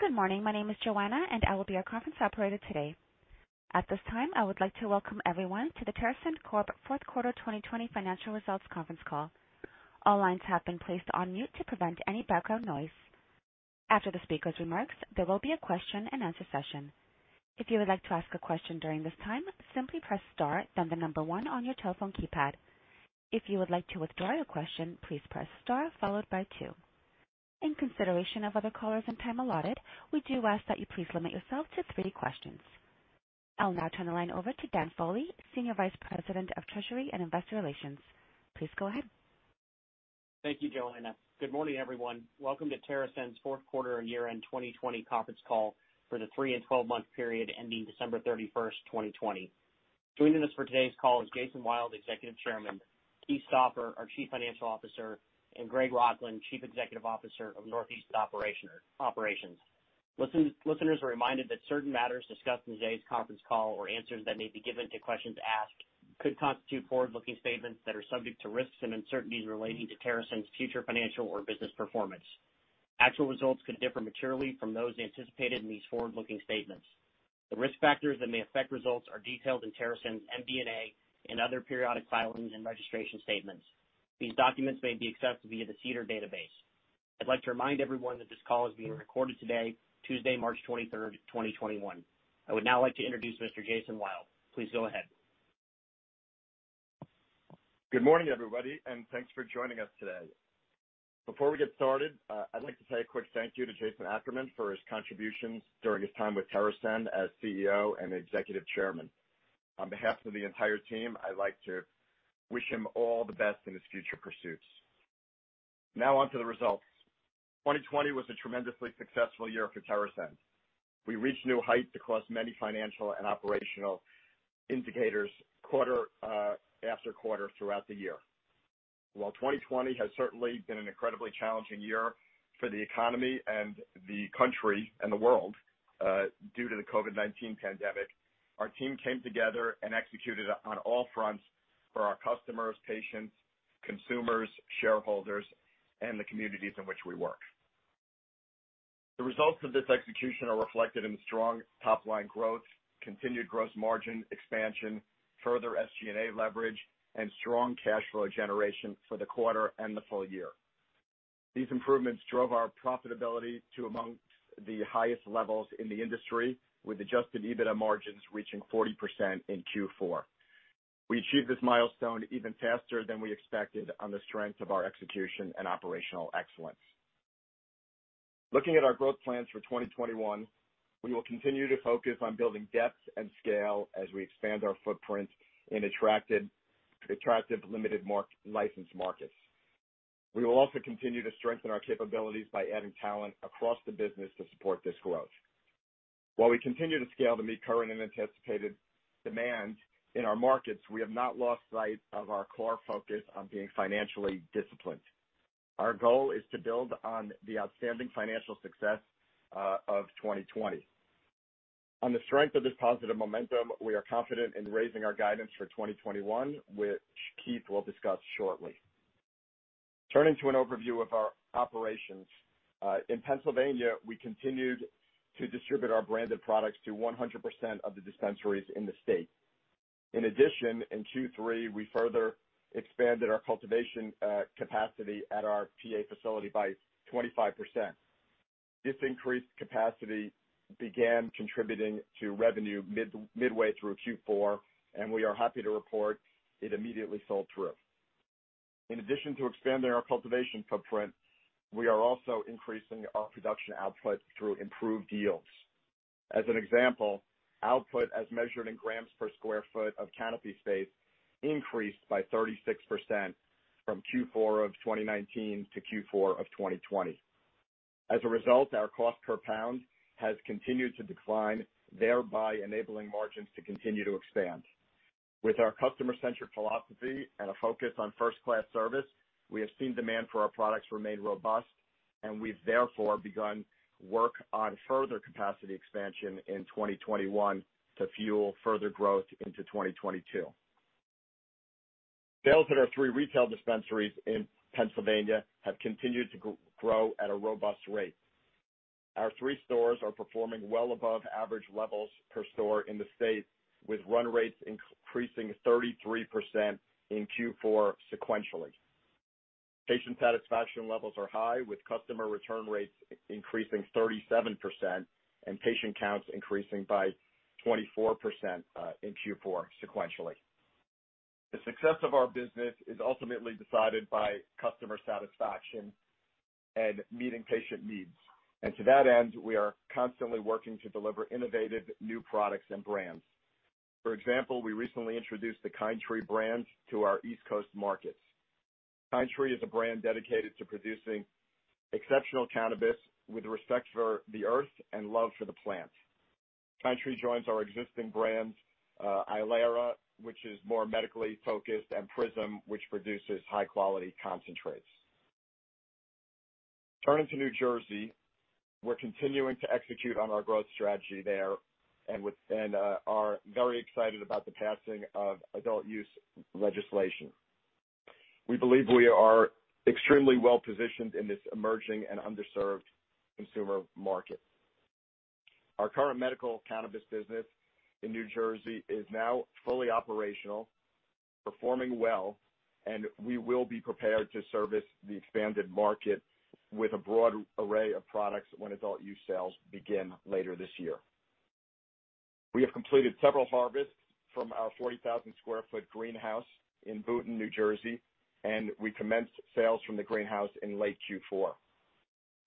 Good morning. My name is Joanna, and I will be your conference operator today. At this time, I would like to welcome everyone to the TerrAscend Corp Fourth Quarter 2020 Financial Results Conference Call. All lines have been placed on mute to prevent any background noise. After the speaker's remarks, there will be a question-and-answer session. If you would like to ask a question during this time, simply press star, then the number one on your telephone keypad. If you would like to withdraw your question, please press star followed by two. In consideration of other callers and time allotted, we do ask that you please limit yourself to three questions. I'll now turn the line over to Dan Foley, Senior Vice President of Treasury and Investor Relations. Please go ahead. Thank you, Joanna. Good morning, everyone. Welcome to TerrAscend's Fourth Quarter and Year-End 2020 Conference Call for the three- and 12-month period ending December 31st, 2020. Joining us for today's call is Jason Wild, Executive Chairman, Keith Stauffer, our Chief Financial Officer, and Greg Rochlin, Chief Executive Officer of Northeast Operations. Listeners are reminded that certain matters discussed in today's conference call or answers that may be given to questions asked could constitute forward-looking statements that are subject to risks and uncertainties relating to TerrAscend's future financial or business performance. Actual results could differ materially from those anticipated in these forward-looking statements. The risk factors that may affect results are detailed in TerrAscend's MD&A in other periodic filings and registration statements. These documents may be accessed via the SEDAR database. I'd like to remind everyone that this call is being recorded today, Tuesday, March 23rd, 2021. I would now like to introduce Mr. Jason Wild. Please go ahead. Good morning, everybody. Thanks for joining us today. Before we get started, I'd like to say a quick thank you to Jason Ackerman for his contributions during his time with TerrAscend as CEO and Executive Chairman. On behalf of the entire team, I'd like to wish him all the best in his future pursuits. On to the results. 2020 was a tremendously successful year for TerrAscend. We reached new heights across many financial and operational indicators quarter after quarter throughout the year. While 2020 has certainly been an incredibly challenging year for the economy and the country and the world, due to the COVID-19 pandemic, our team came together and executed on all fronts for our customers, patients, consumers, shareholders, and the communities in which we work. The results of this execution are reflected in strong top-line growth, continued gross margin expansion, further SG&A leverage, and strong cash flow generation for the quarter and the full year. These improvements drove our profitability to amongst the highest levels in the industry, with adjusted EBITDA margins reaching 40% in Q4. We achieved this milestone even faster than we expected on the strength of our execution and operational excellence. Looking at our growth plans for 2021, we will continue to focus on building depth and scale as we expand our footprint in attractive limited licensed markets. We will also continue to strengthen our capabilities by adding talent across the business to support this growth. While we continue to scale to meet current and anticipated demand in our markets, we have not lost sight of our core focus on being financially disciplined. Our goal is to build on the outstanding financial success of 2020. On the strength of this positive momentum, we are confident in raising our guidance for 2021, which Keith will discuss shortly. Turning to an overview of our operations. In Pennsylvania, we continued to distribute our branded products to 100% of the dispensaries in the state. In addition, in Q3, we further expanded our cultivation capacity at our PA facility by 25%. This increased capacity began contributing to revenue midway through Q4, and we are happy to report it immediately sold through. In addition to expanding our cultivation footprint, we are also increasing our production output through improved yields. As an example, output as measured in grams per square foot of canopy space increased by 36% from Q4 of 2019 to Q4 of 2020. As a result, our cost per pound has continued to decline, thereby enabling margins to continue to expand. With our customer centric philosophy and a focus on first class service we have seen demand for our products remain robust. And we've therefore begun work on further capacity expansion in 2021 to fuel further growth into 2022. Sales at our three retail dispensaries in Pennsylvania have continued to grow at a robust rate. Our three stores are performing well above average levels per store in the state, with run rates increasing 33% in Q4 sequentially. Patient satisfaction levels are high, with customer return rates increasing 37% and patient counts increasing by 24% in Q4 sequentially. The success of our business is ultimately decided by customer satisfaction and meeting patient needs. To that end, we are constantly working to deliver innovative new products and brands. For example, we recently introduced the Kind Tree brand to our East Coast markets. Kind Tree is a brand dedicated to producing exceptional cannabis with respect for the Earth and love for the plant. Kind Tree joins our existing brands, Ilera, which is more medically focused, and Prism, which produces high-quality concentrates. Turning to New Jersey, we're continuing to execute on our growth strategy there and are very excited about the passing of adult use legislation. We believe we are extremely well-positioned in this emerging and underserved consumer market. Our current medical cannabis business in New Jersey is now fully operational, performing well, and we will be prepared to service the expanded market with a broad array of products when adult use sales begin later this year. We have completed several harvests from our 40,000 sq ft greenhouse in Boonton, New Jersey, and we commenced sales from the greenhouse in late Q4.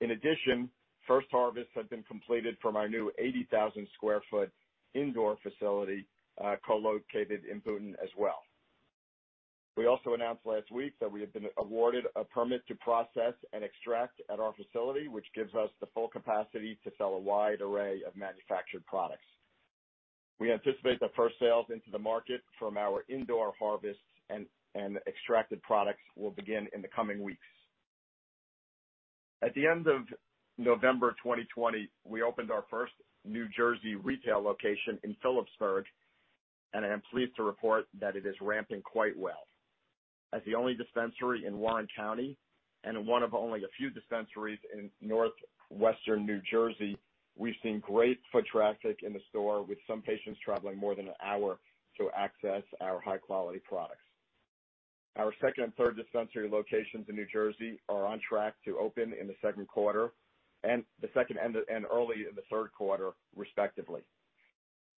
In addition, first harvest has been completed from our new 80,000 sq ft indoor facility, co-located in Boonton as well. We also announced last week that we have been awarded a permit to process and extract at our facility, which gives us the full capacity to sell a wide array of manufactured products. We anticipate that first sales into the market from our indoor harvests and extracted products will begin in the coming weeks. At the end of November 2020, we opened our first New Jersey retail location in Phillipsburg, and I am pleased to report that it is ramping quite well. As the only dispensary in Warren County and one of only a few dispensaries in Northwestern New Jersey, we've seen great foot traffic in the store, with some patients traveling more than a hour to access our high-quality products. Our second and third dispensary locations in New Jersey are on track to open in the second quarter and early in the third quarter, respectively.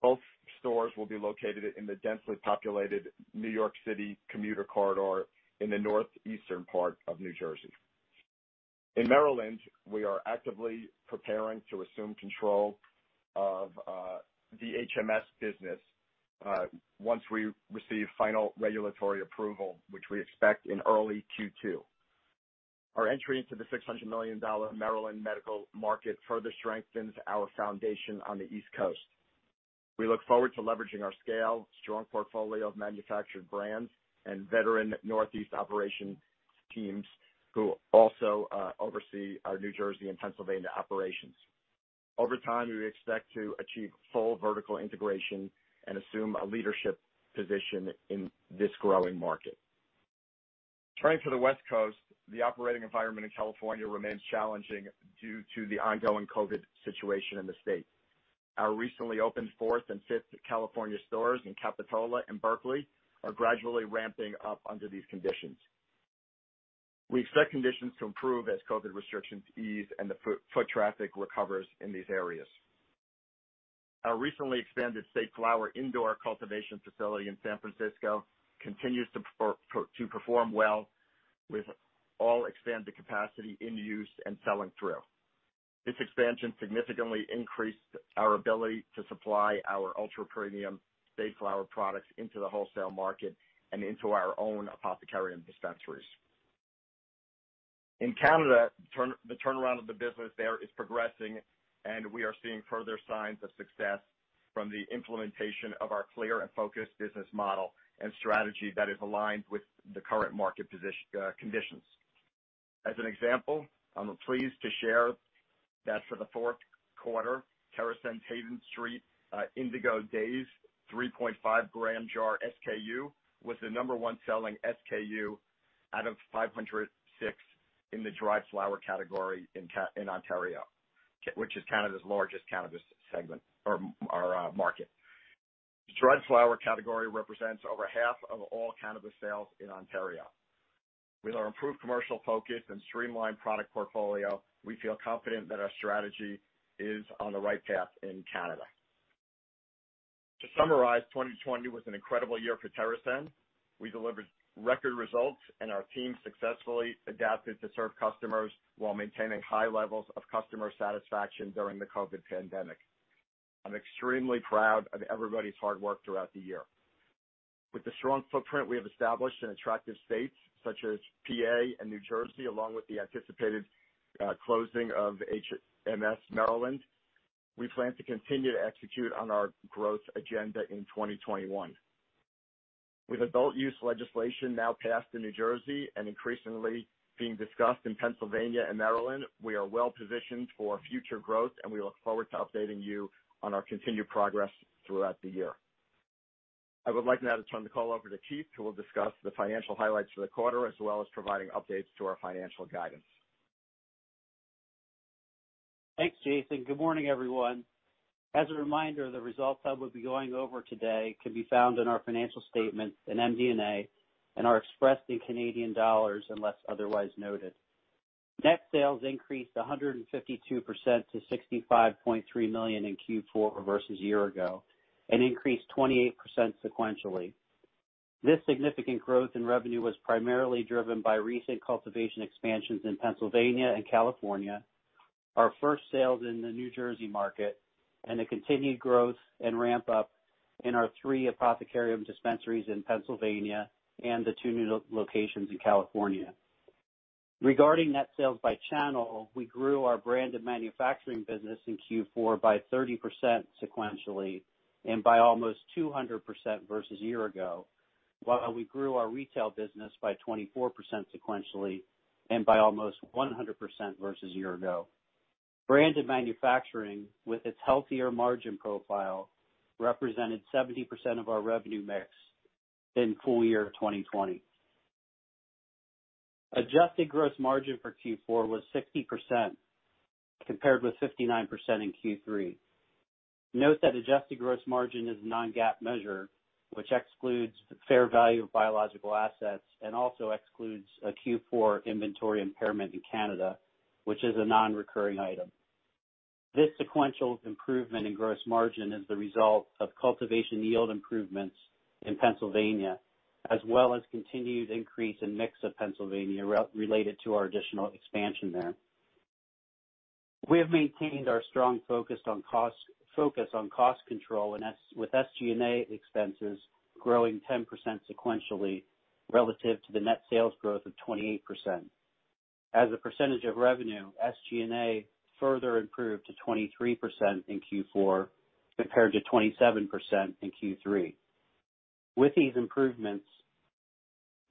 Both stores will be located in the densely populated New York City commuter corridor in the northeastern part of New Jersey. In Maryland, we are actively preparing to assume control of the HMS business once we receive final regulatory approval, which we expect in early Q2. Our entry into the $600 million Maryland medical market further strengthens our foundation on the East Coast. We look forward to leveraging our scale, strong portfolio of manufactured brands, and veteran Northeast operations teams who also oversee our New Jersey and Pennsylvania operations. Over time, we expect to achieve full vertical integration and assume a leadership position in this growing market. Turning to the West Coast, the operating environment in California remains challenging due to the ongoing COVID-19 situation in the state. Our recently opened fourth and fifth California stores in Capitola and Berkeley are gradually ramping up under these conditions. We expect conditions to improve as COVID-19 restrictions ease and the foot traffic recovers in these areas. Our recently expanded State Flower indoor cultivation facility in San Francisco continues to perform well, with all expanded capacity in use and selling through. This expansion significantly increased our ability to supply our ultra-premium State Flower products into the wholesale market and into our own The Apothecarium dispensaries. In Canada, the turnaround of the business there is progressing, and we are seeing further signs of success from the implementation of our clear and focused business model and strategy that is aligned with the current market conditions. As an example, I'm pleased to share that for the fourth quarter, TerrAscend Haven St. Indigo Daze 3.5 g jar SKU was the number one selling SKU out of 506 in the dried flower category in Ontario, which is Canada's largest cannabis segment or market. The dried flower category represents over half of all cannabis sales in Ontario. With our improved commercial focus and streamlined product portfolio, we feel confident that our strategy is on the right path in Canada. To summarize, 2020 was an incredible year for TerrAscend. We delivered record results, and our team successfully adapted to serve customers while maintaining high levels of customer satisfaction during the COVID-19 pandemic. I'm extremely proud of everybody's hard work throughout the year. With the strong footprint we have established in attractive states such as PA and New Jersey, along with the anticipated closing of HMS Maryland, we plan to continue to execute on our growth agenda in 2021. With adult use legislation now passed in New Jersey and increasingly being discussed in Pennsylvania and Maryland, we are well-positioned for future growth, and we look forward to updating you on our continued progress throughout the year. I would like now to turn the call over to Keith, who will discuss the financial highlights for the quarter, as well as providing updates to our financial guidance. Thanks, Jason. Good morning, everyone. As a reminder, the results I will be going over today can be found in our financial statements in MD&A and are expressed in Canadian dollars, unless otherwise noted. Net sales increased 152% to 65.3 million in Q4 versus a year ago and increased 28% sequentially. This significant growth in revenue was primarily driven by recent cultivation expansions in Pennsylvania and California, our first sales in the New Jersey market, and the continued growth and ramp-up in our three Apothecarium dispensaries in Pennsylvania and the two new locations in California. Regarding net sales by channel, we grew our brand and manufacturing business in Q4 by 30% sequentially and by almost 200% versus a year ago, while we grew our retail business by 24% sequentially and by almost 100% versus a year ago. Branded manufacturing, with its healthier margin profile, represented 70% of our revenue mix in full year 2020. Adjusted gross margin for Q4 was 60%, compared with 59% in Q3. Note that adjusted gross margin is a non-GAAP measure, which excludes the fair value of biological assets and also excludes a Q4 inventory impairment in Canada, which is a non-recurring item. This sequential improvement in gross margin is the result of cultivation yield improvements in Pennsylvania, as well as continued increase in mix of Pennsylvania related to our additional expansion there. We have maintained our strong focus on cost control with SG&A expenses growing 10% sequentially relative to the net sales growth of 28%. As a percentage of revenue, SG&A further improved to 23% in Q4 compared to 27% in Q3. With these improvements,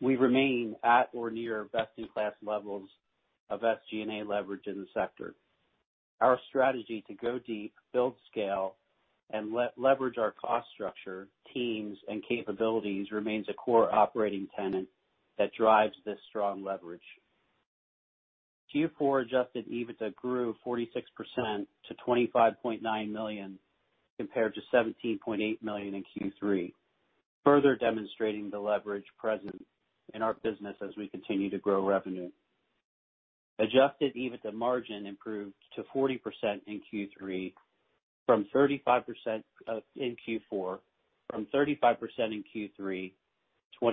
we remain at or near best-in-class levels of SG&A leverage in the sector. Our strategy to go deep, build scale, and leverage our cost structure, teams, and capabilities remains a core operating tenet that drives this strong leverage. Q4 adjusted EBITDA grew 46% to 25.9 million, compared to 17.8 million in Q3, further demonstrating the leverage present in our business as we continue to grow revenue. Adjusted EBITDA margin improved to 40% in Q3 from 35% in Q4, from 35% in Q3, 24%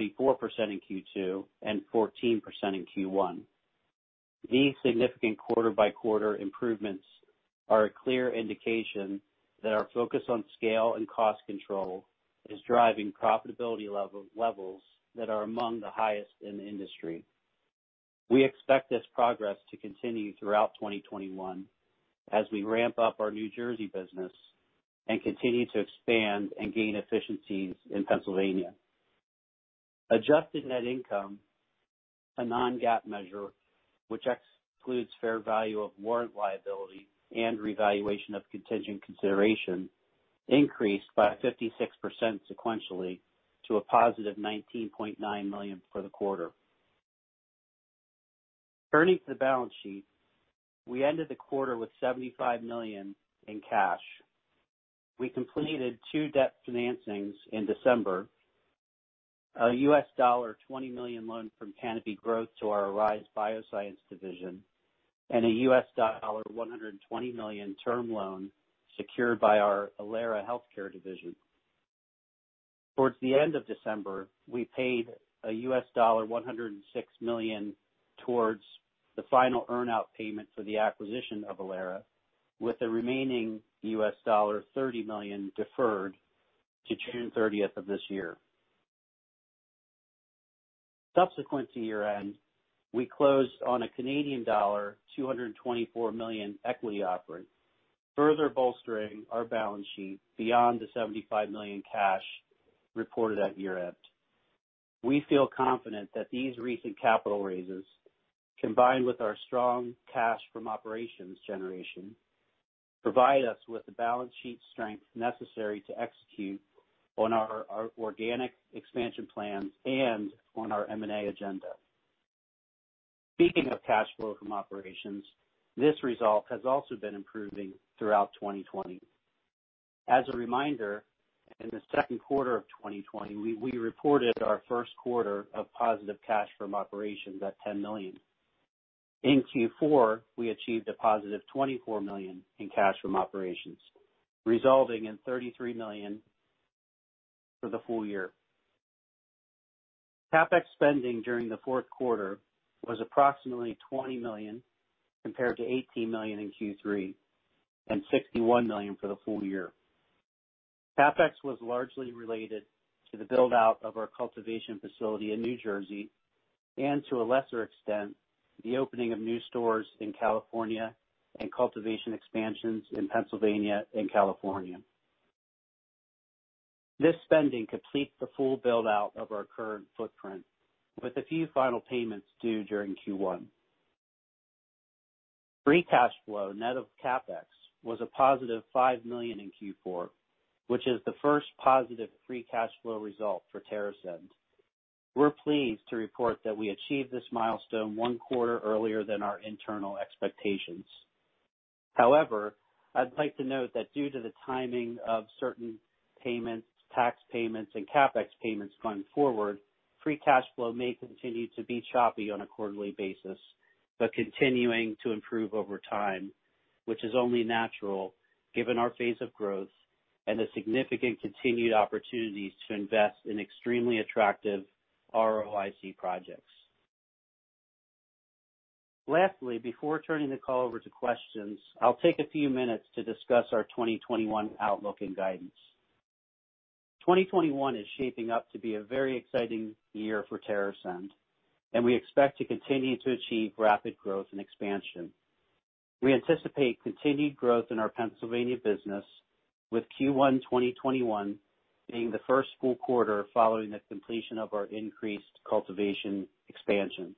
in Q2, and 14% in Q1. These significant quarter-by-quarter improvements are a clear indication that our focus on scale and cost control is driving profitability levels that are among the highest in the industry. We expect this progress to continue throughout 2021 as we ramp up our New Jersey business and continue to expand and gain efficiencies in Pennsylvania. Adjusted net income, a non-GAAP measure which excludes fair value of warrant liability and revaluation of contingent consideration, increased by 56% sequentially to a positive 19.9 million for the quarter. Turning to the balance sheet, we ended the quarter with 75 million in cash. We completed two debt financings in December. A $20 million loan from Canopy Growth to our Arise Bioscience division and a $120 million term loan secured by our Ilera Healthcare division. Towards the end of December, we paid $106 million towards the final earn-out payment for the acquisition of Ilera, with the remaining $30 million deferred to June 30th of this year. Subsequent to year-end, we closed on a Canadian dollar 224 million equity offering, further bolstering our balance sheet beyond the 75 million cash reported at year-end. We feel confident that these recent capital raises, combined with our strong cash from operations generation, provide us with the balance sheet strength necessary to execute on our organic expansion plans and on our M&A agenda. Speaking of cash flow from operations, this result has also been improving throughout 2020. As a reminder, in the second quarter of 2020, we reported our first quarter of positive cash from operations at 10 million. In Q4, we achieved a positive 24 million in cash from operations, resulting in 33 million for the full year. CapEx spending during the fourth quarter was approximately 20 million compared to 18 million in Q3 and 61 million for the full year. CapEx was largely related to the build-out of our cultivation facility in New Jersey and to a lesser extent, the opening of new stores in California and cultivation expansions in Pennsylvania and California. This spending completes the full build-out of our current footprint with a few final payments due during Q1. Free cash flow net of CapEx was a positive 5 million in Q4, which is the first positive free cash flow result for TerrAscend. We're pleased to report that we achieved this milestone one quarter earlier than our internal expectations. However, I'd like to note that due to the timing of certain payments, tax payments, and CapEx payments going forward, free cash flow may continue to be choppy on a quarterly basis, but continuing to improve over time, which is only natural given our phase of growth and the significant continued opportunities to invest in extremely attractive ROIC projects. Lastly, before turning the call over to questions, I'll take a few minutes to discuss our 2021 outlook and guidance. 2021 is shaping up to be a very exciting year for TerrAscend, and we expect to continue to achieve rapid growth and expansion. We anticipate continued growth in our Pennsylvania business. With Q1 2021 being the first full quarter following the completion of our increased cultivation expansion.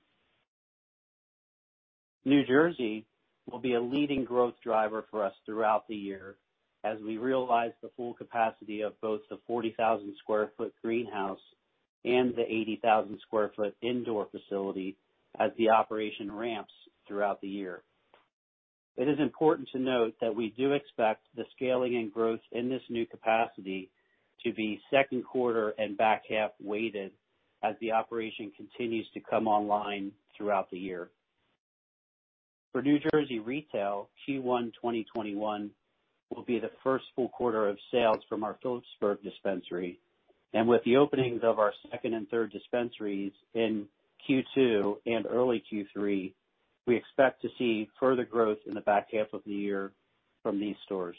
New Jersey will be a leading growth driver for us throughout the year as we realize the full capacity of both the 40,000 sq ft greenhouse and the 80,000 sq ft indoor facility as the operation ramps throughout the year. It is important to note that we do expect the scaling and growth in this new capacity to be second quarter and back-half weighted as the operation continues to come online throughout the year. For New Jersey retail, Q1 2021 will be the first full quarter of sales from our Phillipsburg dispensary, and with the openings of our second and third dispensaries in Q2 and early Q3, we expect to see further growth in the back half of the year from these stores.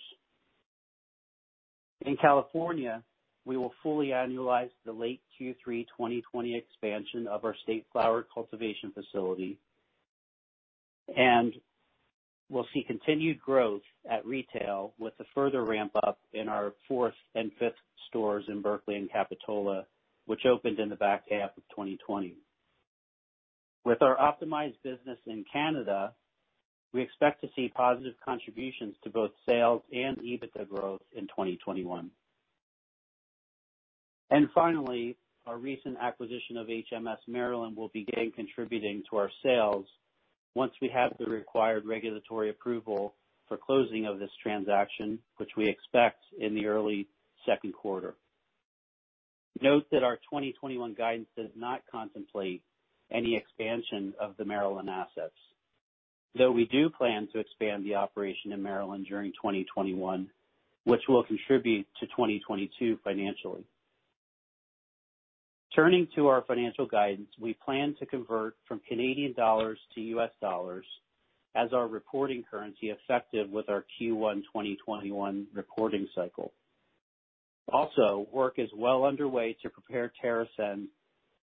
In California, we will fully annualize the late Q3 2020 expansion of our State Flower cultivation facility, and we will see continued growth at retail with the further ramp-up in our fourth and fifth stores in Berkeley and Capitola, which opened in the back half of 2020. With our optimized business in Canada, we expect to see positive contributions to both sales and EBITDA growth in 2021. Finally, our recent acquisition of HMS Maryland will begin contributing to our sales once we have the required regulatory approval for closing of this transaction, which we expect in the early second quarter. Note that our 2021 guidance does not contemplate any expansion of the Maryland assets, though we do plan to expand the operation in Maryland during 2021, which will contribute to 2022 financially. Turning to our financial guidance, we plan to convert from Canadian dollars to U.S. dollars as our reporting currency effective with our Q1 2021 reporting cycle. Also, work is well underway to prepare TerrAscend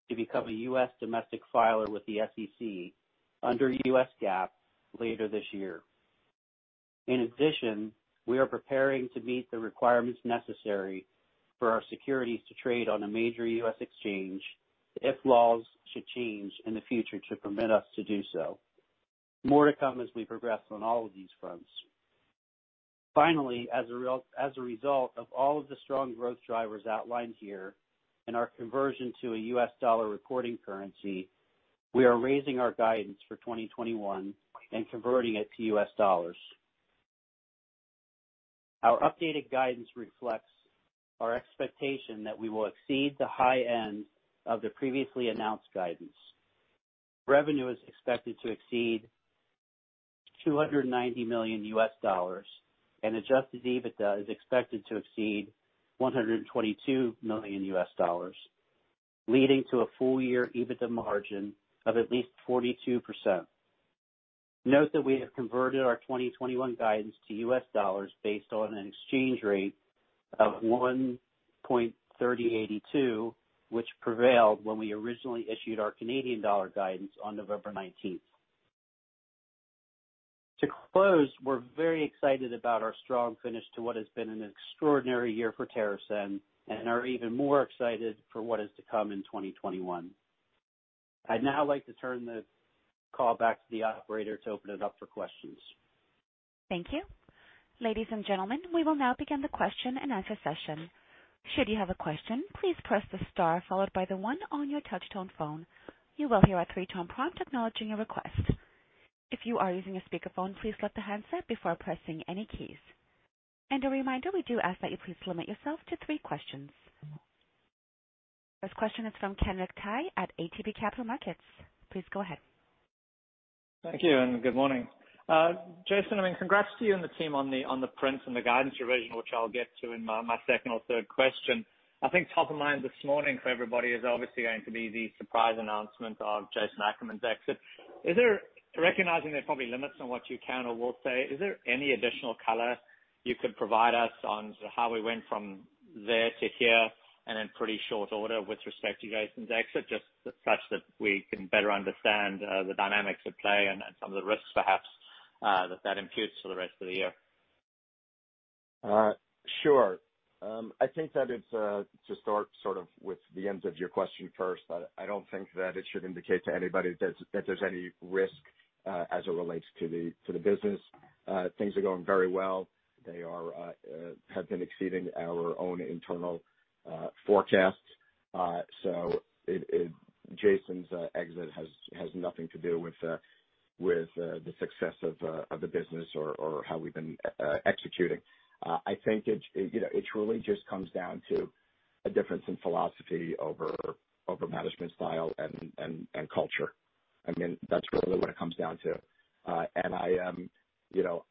to become a U.S. domestic filer with the SEC under U.S. GAAP later this year. In addition, we are preparing to meet the requirements necessary for our securities to trade on a major U.S. exchange if laws should change in the future to permit us to do so. More to come as we progress on all of these fronts. As a result of all of the strong growth drivers outlined here and our conversion to a U.S. dollar reporting currency, we are raising our guidance for 2021 and converting it to U.S. dollars. Our updated guidance reflects our expectation that we will exceed the high end of the previously announced guidance. Revenue is expected to exceed $290 million, and adjusted EBITDA is expected to exceed $122 million, leading to a full year EBITDA margin of at least 42%. Note that we have converted our 2021 guidance to U.S. dollars based on an exchange rate of 1.3082, which prevailed when we originally issued our Canadian dollars guidance on November 19th. To close, we're very excited about our strong finish to what has been an extraordinary year for TerrAscend, and are even more excited for what is to come in 2021. I'd now like to turn the call back to the operator to open it up for questions. Thank you. Ladies and gentlemen, we will now begin the question-and-answer session. Should you have a question, please press the star followed by the one on your touchtone phone. You will hear a three-tone prompt acknowledging your request. If you are using a speakerphone, please lift the handset before pressing any keys. And a reminder, we do ask that you please limit yourself to three questions. First question is from Kenric Tyghe at ATB Capital Markets. Please go ahead. Thank you, and good morning. Jason, congrats to you and the team on the prints and the guidance revision, which I'll get to in my second or third question. I think top of mind this morning for everybody is obviously going to be the surprise announcement of Jason Ackerman's exit. Recognizing there are probably limits on what you can or will say, is there any additional color you could provide us on how we went from there to here and in pretty short order with respect to Jason's exit, just such that we can better understand the dynamics at play and some of the risks, perhaps, that that imputes for the rest of the year? Sure. I think that it's, to start with the end of your question first, I don't think that it should indicate to anybody that there's any risk as it relates to the business. Things are going very well. They have been exceeding our own internal forecasts. Jason's exit has nothing to do with the success of the business or how we've been executing. I think it truly just comes down to a difference in philosophy over management style and culture. That's really what it comes down to.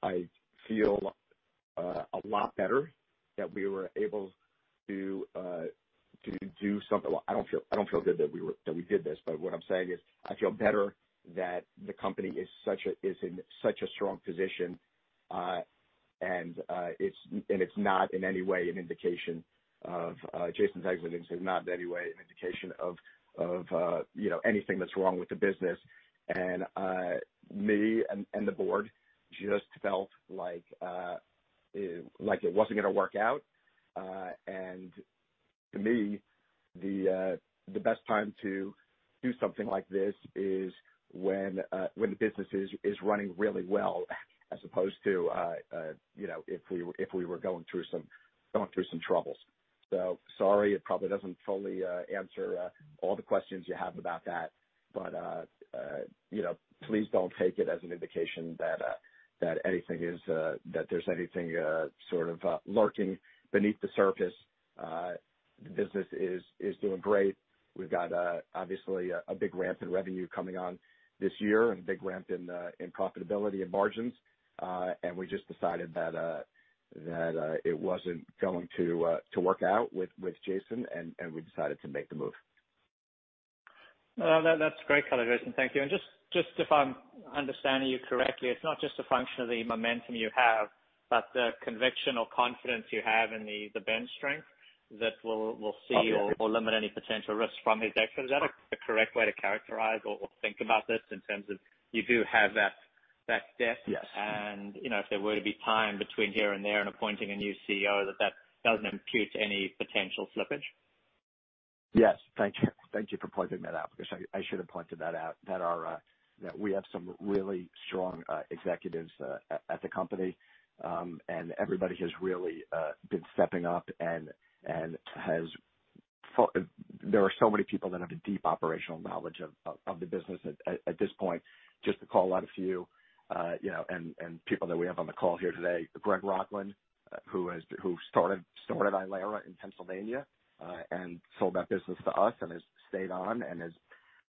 I feel a lot better that we were able to do something. I don't feel good that we did this, what I'm saying is I feel better that the company is in such a strong position, it's not in any way an indication of Jason's exiting is not in any way an indication of anything that's wrong with the business. Me and the board just felt like it wasn't going to work out. To me, the best time to do something like this is when the business is running really well as opposed to if we were going through some troubles. Sorry, it probably doesn't fully answer all the questions you have about that, please don't take it as an indication that there's anything sort of lurking beneath the surface. The business is doing great. We've got obviously a big ramp in revenue coming on this year and a big ramp in profitability and margins. We just decided that it wasn't going to work out with Jason, and we decided to make the move. No, that's great color, Jason. Thank you. Just if I'm understanding you correctly, it's not just a function of the momentum you have, but the conviction or confidence you have in the bench strength. Obviously. That will see or limit any potential risks from his exit. Is that a correct way to characterize or think about this in terms of you do have that depth? Yes. If there were to be time between here and there and appointing a new CEO, that doesn't impute any potential slippage? Yes. Thank you. Thank you for pointing that out because I should have pointed that out, that we have some really strong executives at the company. Everybody has really been stepping up, and there are so many people that have a deep operational knowledge of the business at this point. Just to call out a few, and people that we have on the call here today, Greg Rochlin, who started Ilera in Pennsylvania, and sold that business to us and has stayed on and has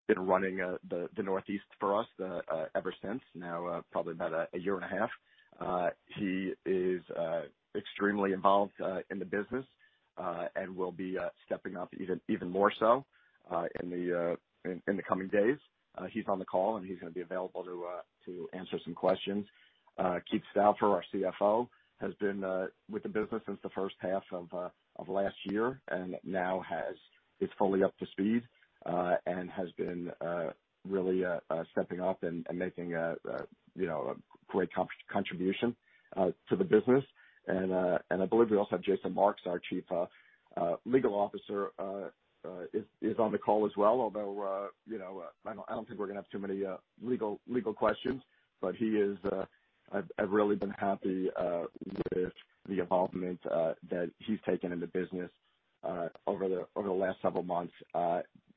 been running the Northeast for us ever since, now probably about a year and a half. He is extremely involved in the business, and will be stepping up even more so in the coming days. He's on the call, and he's going to be available to answer some questions. Keith Stauffer, our CFO, has been with the business since the first half of last year and now is fully up to speed, and has been really stepping up and making a great contribution to the business. I believe we also have Jason Marks, our Chief Legal Officer, is on the call as well. Although, I don't think we're going to have too many legal questions. I've really been happy with the involvement that he's taken in the business over the last several months,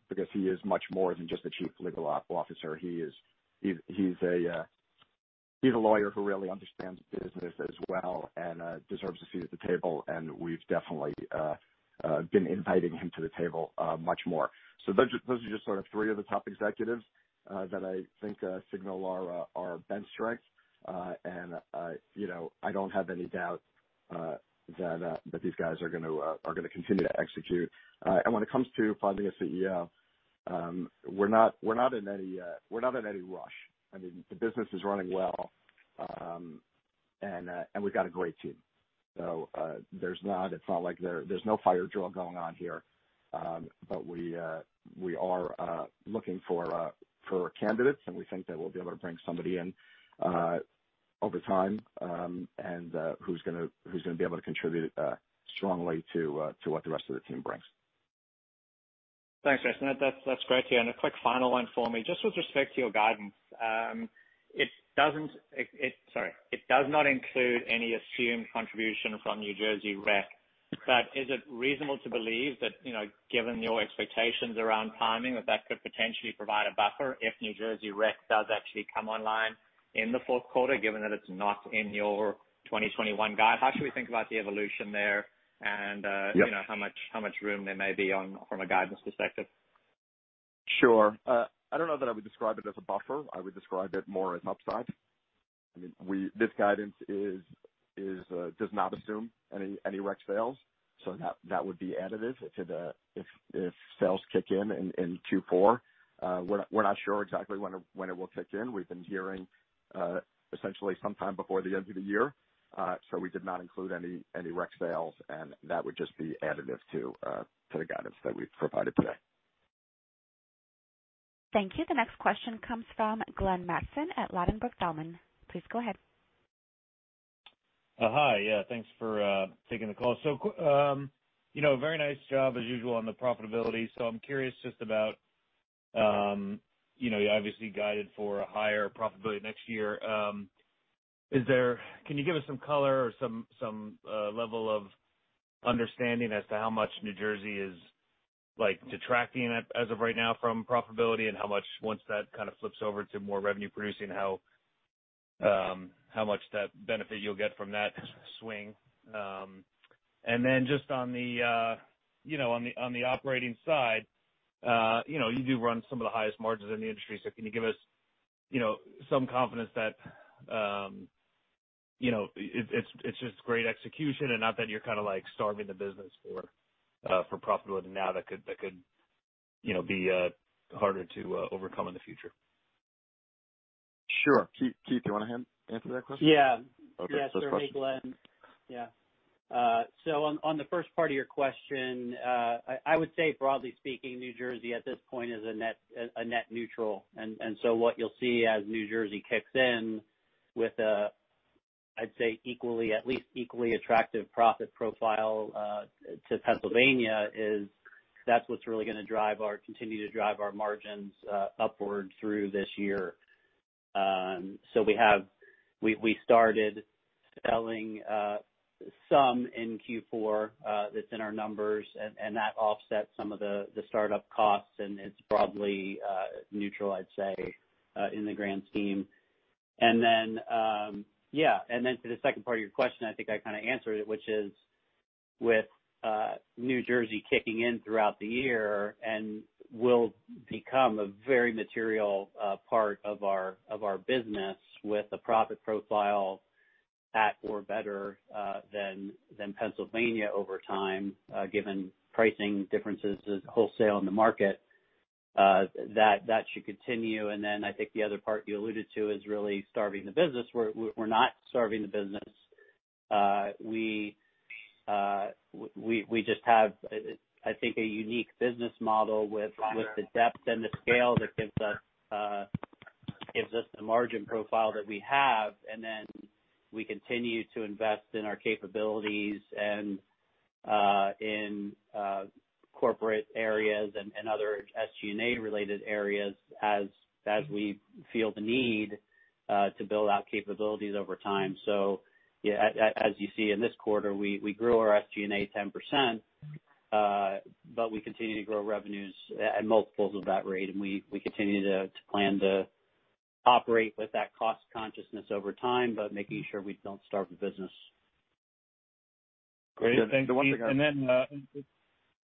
because he is much more than just the Chief Legal Officer. He's a lawyer who really understands the business as well and deserves a seat at the table, and we've definitely been inviting him to the table much more. Those are just sort of three of the top executives that I think signal our bench strength. I don't have any doubt that these guys are going to continue to execute. When it comes to finding a CEO, we're not in any rush. I mean, the business is running well, and we've got a great team, so there's no fire drill going on here. We are looking for candidates, and we think that we'll be able to bring somebody in over time who's going to be able to contribute strongly to what the rest of the team brings. Thanks, Jason. That's great to hear. A quick final one for me. Just with respect to your guidance, it does not include any assumed contribution from New Jersey REC. Is it reasonable to believe that, given your expectations around timing, that that could potentially provide a buffer if New Jersey REC does actually come online in the fourth quarter, given that it's not in your 2021 guide? How should we think about the evolution there? Yep. And how much room there may be from a guidance perspective? Sure. I don't know that I would describe it as a buffer. I would describe it more as upside. I mean, this guidance does not assume any rec sales, that would be additive if sales kick in in Q4. We're not sure exactly when it will kick in. We've been hearing essentially sometime before the end of the year. We did not include any rec sales, that would just be additive to the guidance that we've provided today. Thank you. The next question comes from Glenn Mattson at Ladenburg Thalmann. Please go ahead. Hi. Yeah, thanks for taking the call. Very nice job as usual on the profitability. I'm curious just about, you obviously guided for a higher profitability next year. Can you give us some color or some level of understanding as to how much New Jersey is detracting as of right now from profitability and how much, once that kind of flips over to more revenue producing, how much that benefit you'll get from that swing? Just on the operating side, you do run some of the highest margins in the industry. Can you give us some confidence that it's just great execution and not that you're kind of starving the business for profitability now that could be harder to overcome in the future? Sure. Keith, do you want to answer that question? Yeah. Okay. Sure. Hey, Glenn. On the first part of your question, I would say, broadly speaking, New Jersey at this point is a net neutral. What you'll see as New Jersey kicks in with a, I'd say, at least equally attractive profit profile to Pennsylvania is that's what's really going to continue to drive our margins upward through this year. We started selling some in Q4 that's in our numbers, and that offsets some of the startup costs, and it's broadly neutral, I'd say, in the grand scheme. Then for the second part of your question, I think I kind of answered it, which is with New Jersey kicking in throughout the year and will become a very material part of our business with a profit profile at or better than Pennsylvania over time, given pricing differences as wholesale in the market, that should continue. Then I think the other part you alluded to is really starving the business. We're not starving the business. We just have, I think, a unique business model with the depth and the scale that gives us the margin profile that we have. Then we continue to invest in our capabilities and in corporate areas and other SG&A-related areas as we feel the need to build out capabilities over time. Yeah, as you see in this quarter, we grew our SG&A 10%, but we continue to grow revenues at multiples of that rate, and we continue to plan to operate with that cost consciousness over time, but making sure we don't starve the business. Great. Thanks, Keith.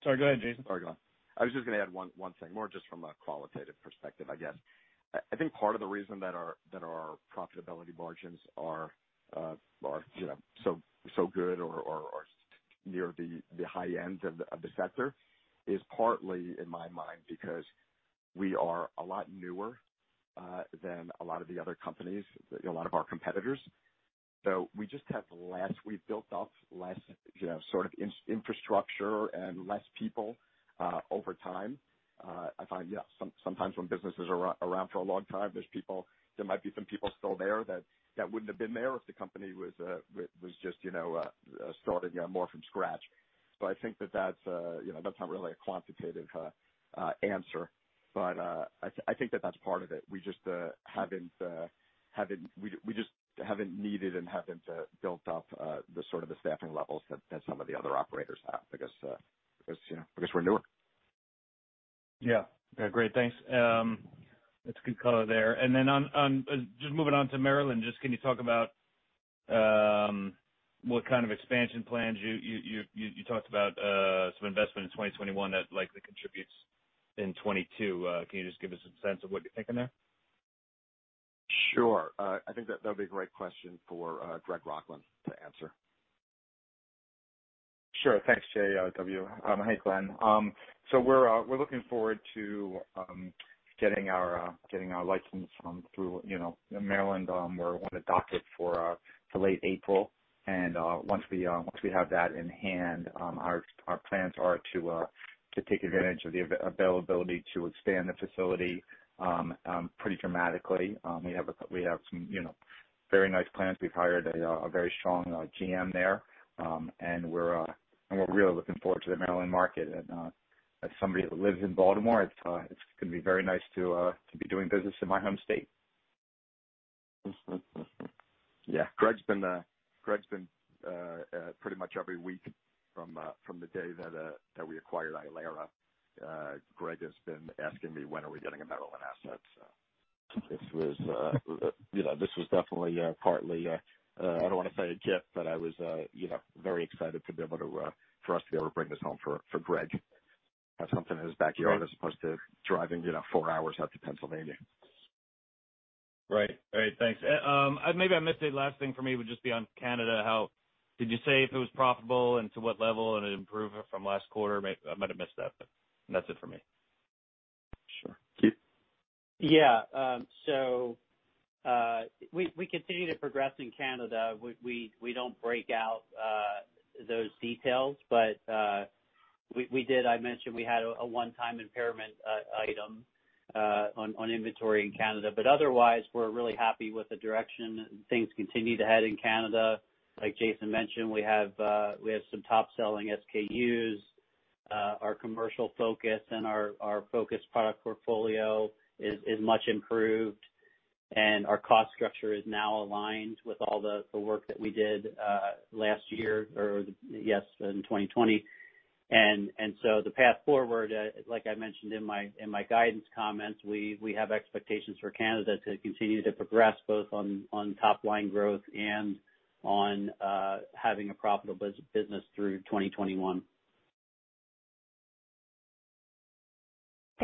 Sorry, go ahead, Jason. Sorry, Glenn. I was just going to add one thing more just from a qualitative perspective, I guess. I think part of the reason that our profitability margins are so good or are near the high end of the sector is partly, in my mind, because we are a lot newer than a lot of the other companies, a lot of our competitors. We've built up less infrastructure and less people over time. I find sometimes when businesses are around for a long time, there might be some people still there that wouldn't have been there if the company was just starting more from scratch. I think that that's not really a quantitative answer, but I think that that's part of it. We just haven't needed and haven't built up the sort of the staffing levels that some of the other operators have because we're newer. Yeah. Great. Thanks. That's a good color there. Just moving on to Maryland, just can you talk about what kind of expansion plans you talked about some investment in 2021 that likely contributes in 2022. Can you just give us a sense of what you're thinking there? Sure. I think that'd be a great question for Greg Rochlin to answer. Sure. Thanks, JW. Hey, Glenn. We're looking forward to getting our license through Maryland. We're on the docket for late April, and once we have that in hand, our plans are to take advantage of the availability to expand the facility pretty dramatically. We have some very nice plans. We've hired a very strong GM there. We're really looking forward to the Maryland market. As somebody that lives in Baltimore, it's going to be very nice to be doing business in my home state. Yeah. Greg's been pretty much every week from the day that we acquired Ilera, Greg has been asking me, when are we getting a Maryland asset? This was definitely partly, I don't want to say a gift, but I was very excited for us to be able to bring this home for Greg. Have something in his backyard as opposed to driving four hours out to Pennsylvania. Right. All right. Thanks. Maybe I missed it. Last thing for me would just be on Canada. Did you say if it was profitable and to what level, and it improved from last quarter? I might've missed that, but that's it for me. Sure. Keith? Yeah. We continue to progress in Canada. We don't break out those details, but we did, I mentioned we had a one-time impairment item on inventory in Canada. Otherwise, we're really happy with the direction things continue to head in Canada. Like Jason mentioned, we have some top-selling SKUs. Our commercial focus and our focused product portfolio is much improved, and our cost structure is now aligned with all the work that we did last year, or yes, in 2020. The path forward, like I mentioned in my guidance comments, we have expectations for Canada to continue to progress both on top-line growth and on having a profitable business through 2021.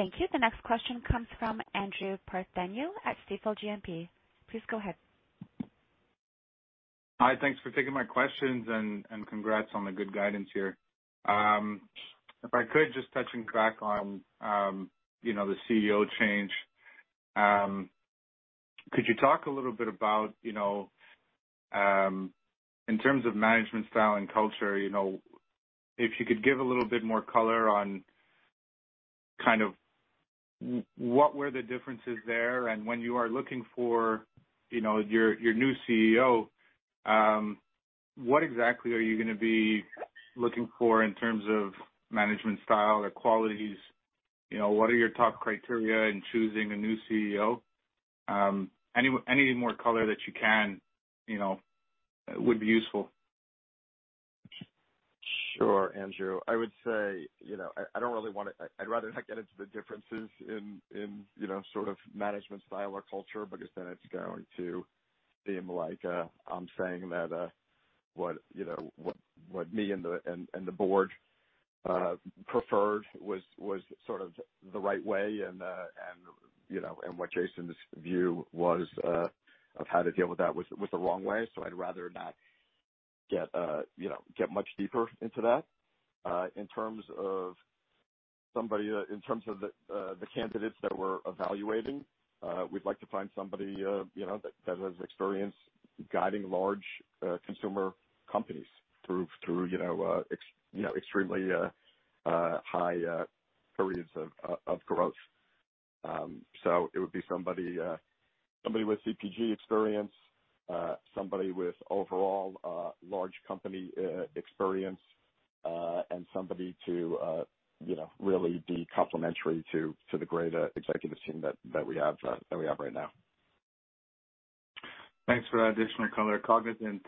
Thank you. The next question comes from Andrew Partheniou at Stifel GMP. Please go ahead. Hi, thanks for taking my questions, and congrats on the good guidance here. If I could just touch on the CEO change. Could you talk a little bit about, in terms of management style and culture, if you could give a little bit more color on what were the differences there? When you are looking for your new CEO, what exactly are you going to be looking for in terms of management style or qualities? What are your top criteria in choosing a new CEO? Any more color that you can provide would be useful. Sure, Andrew. I would say, I'd rather not get into the differences in management style or culture, because then it's going to seem like I'm saying that what me and the board preferred was sort of the right way, and what Jason's view was of how to deal with that was the wrong way. I'd rather not get much deeper into that. In terms of the candidates that we're evaluating, we'd like to find somebody that has experience guiding large consumer companies through extremely high periods of growth. It would be somebody with CPG experience, somebody with overall large company experience, and somebody to really be complementary to the greater executive team that we have right now. Thanks for that additional color, cognizant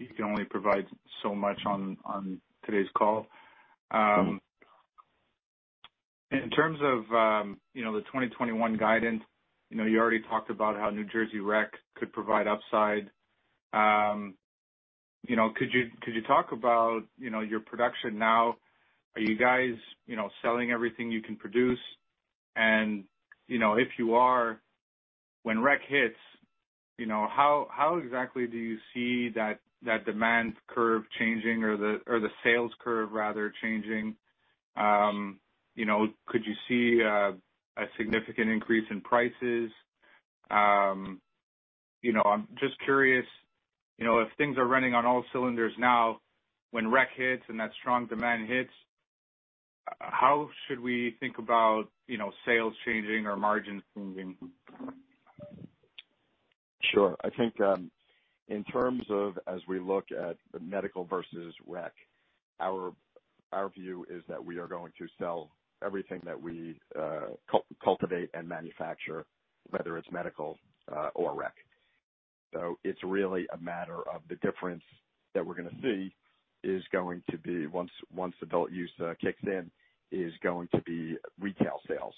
you can only provide so much on today's call. In terms of the 2021 guidance, you already talked about how New Jersey REC could provide upside. Could you talk about your production now? Are you guys selling everything you can produce? If you are, when rec hits, how exactly do you see that demand curve changing or the sales curve, rather, changing? Could you see a significant increase in prices? I'm just curious, if things are running on all cylinders now, when rec hits and that strong demand hits, how should we think about sales changing or margins moving? Sure. I think in terms of as we look at medical versus rec, our view is that we are going to sell everything that we cultivate and manufacture, whether it's medical or rec. It's really a matter of the difference that we're going to see, once adult use kicks in, is going to be retail sales.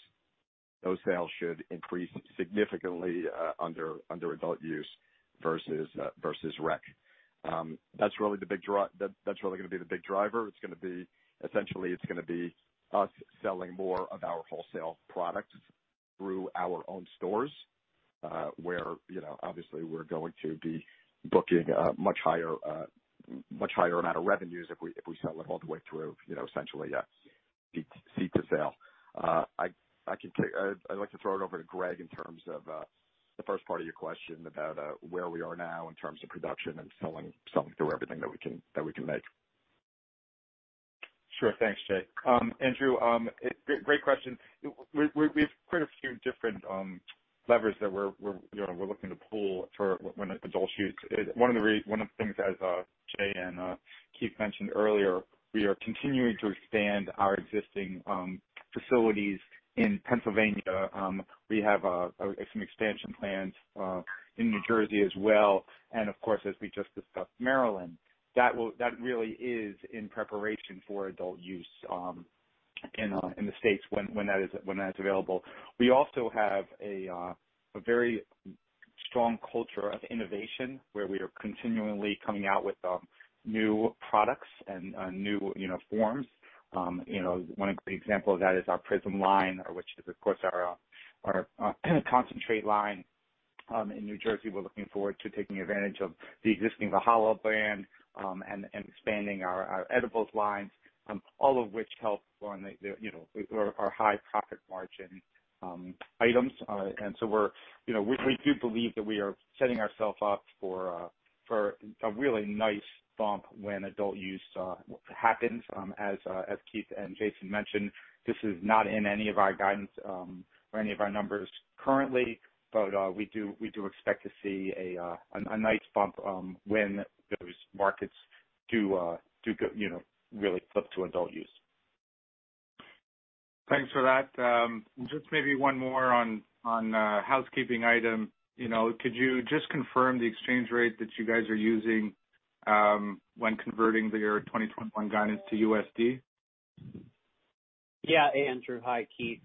Those sales should increase significantly under adult use versus rec. That's really going to be the big driver. Essentially, it's going to be us selling more of our wholesale product through our own stores, where obviously we're going to be booking a much higher amount of revenues if we sell them all the way through, essentially seed to sale. I'd like to throw it over to Greg in terms of the first part of your question about where we are now in terms of production and selling through everything that we can make. Sure. Thanks, Jay. Andrew, great question. We've quite a few different levers that we're looking to pull for when adult use. One of the things, as Jay and Keith mentioned earlier, we are continuing to expand our existing facilities in Pennsylvania. We have some expansion plans in New Jersey as well. Of course, as we just discussed, Maryland. That really is in preparation for adult use in the States when that is available. We also have a very strong culture of innovation, where we are continually coming out with new products and new forms. One of the example of that is our Prism line, which is, of course, our concentrate line in New Jersey. We're looking forward to taking advantage of the existing Valhalla brand and expanding our edibles lines. All of which help on our high profit margin items. We do believe that we are setting ourselves up for a really nice bump when adult use happens. As Keith and Jason mentioned, this is not in any of our guidance or any of our numbers currently, but we do expect to see a nice bump when those markets do really flip to adult use. Thanks for that. Just maybe one more on a housekeeping item. Could you just confirm the exchange rate that you guys are using when converting your 2021 guidance to USD? Yeah Andrew, Hi. Keith.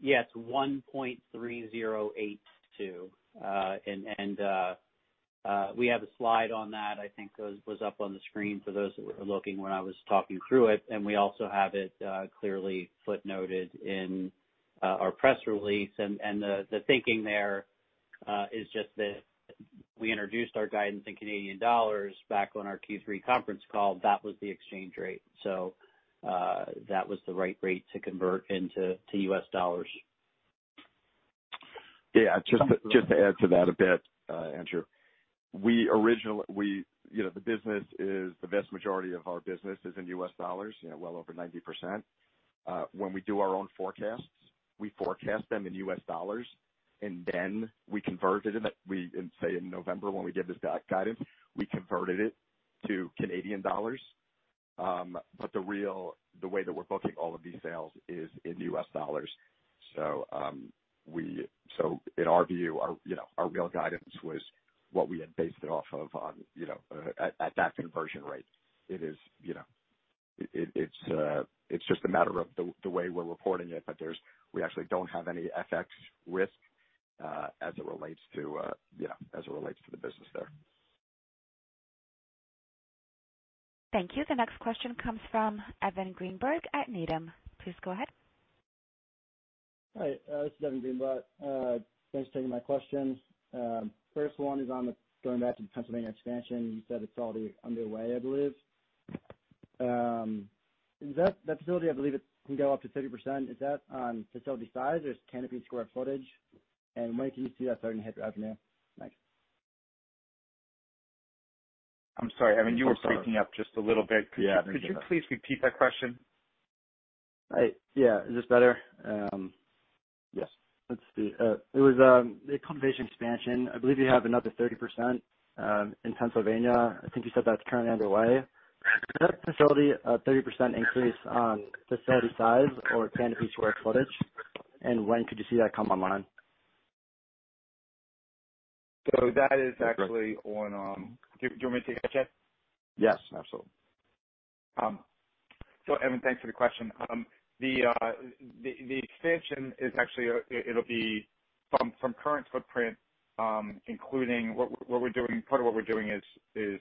Yes, 1.3082. We have a slide on that, I think was up on the screen for those that were looking when I was talking through it, and we also have it clearly footnoted in our press release and the thinking there is just that we introduced our guidance in Canadian dollars back on our Q3 conference call. That was the exchange rate. That was the right rate to convert into U.S. dollars. Yeah. Just to add to that a bit, Andrew. The vast majority of our business is in U.S. dollars, well over 90%. When we do our own forecasts, we forecast them in U.S. dollars, and then we convert it. Say in November, when we give this guidance, we converted it to Canadian dollars. The way that we're booking all of these sales is in U.S. dollars. In our view, our real guidance was what we had based it off of at that conversion rate. It's just a matter of the way we're reporting it, but we actually don't have any FX risk as it relates to the business there. Thank you. The next question comes from Evan Greenberg at Needham. Please go ahead. Hi, this is Evan Greenberg. Thanks for taking my questions. First one is going back to the Pennsylvania expansion. You said it's already underway, I believe. That facility, I believe it can go up to 30%. Is that on facility size or canopy square footage? When can you see that starting to hit revenue? Thanks. I'm sorry, Evan, you were breaking up just a little bit. Yeah. Could you please repeat that question? Yeah. Is this better? Yes. Let's see. It was the cultivation expansion. I believe you have another 30% in Pennsylvania. I think you said that's currently underway. Is that facility a 30% increase on facility size or canopy square footage, and when could you see that come online? That is actually on, do you want me to take that, Jay? Yes, absolutely. Evan, thanks for the question. The extension, from current footprint, part of what we're doing is